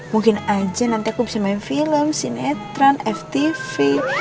mungkin aja nanti aku bisa main film sinetron ftv